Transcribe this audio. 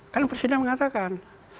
kan presiden mengatakan